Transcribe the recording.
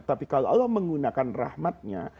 tapi kalau allah menggunakan rahmatnya